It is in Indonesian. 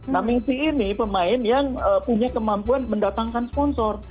nah messi ini pemain yang punya kemampuan mendatangkan sponsor